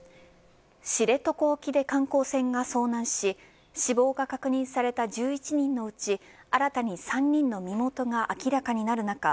知床沖で観光船が遭難し死亡が確認された１１人のうち新たに３人の身元が明らかになる中